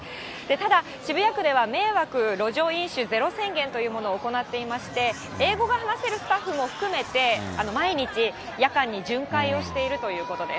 ただ、渋谷区では、迷惑路上飲酒ゼロ宣言というものを行っていまして、英語が話せるスタッフも含めて、毎日夜間に巡回をしているということです。